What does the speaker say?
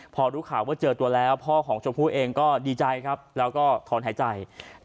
พอรู้ข่าวว่าเจอตัวแล้วพ่อของชมพู่เองก็ดีใจครับแล้วก็ถอนหายใจ